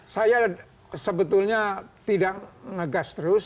saya sebetulnya tidak ngegas terus